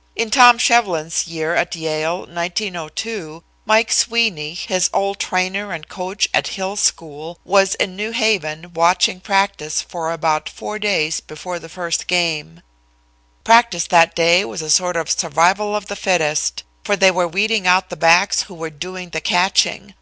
'" In Tom Shevlin's year at Yale, 1902, Mike Sweeney, his old trainer and coach at Hill School, was in New Haven watching practice for about four days before the first game. Practice that day was a sort of survival of the fittest, for they were weeding out the backs, who were doing the catching.